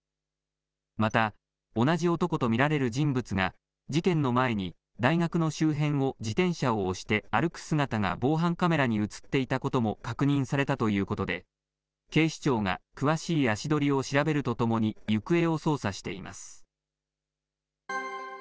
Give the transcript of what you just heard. また、同じ男と見られる人物が、事件の前に大学の周辺を自転車を押して歩く姿が防犯カメラに写っていたことも確認されたということで、警視庁が詳しい足取りを調べるとともに、行方を捜査しています。